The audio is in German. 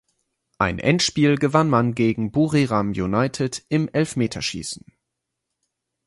Ein Endspiel gewann man gegen Buriram United im Elfmeterschießen.